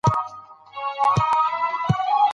ژمی د افغانستان د طبیعي پدیدو یو رنګ دی.